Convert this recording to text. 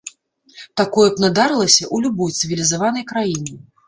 Такое б надарылася ў любой цывілізаванай краіне.